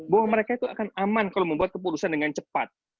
bahwa mereka itu akan aman kalau membuat keputusan dengan cepat